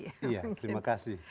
iya terima kasih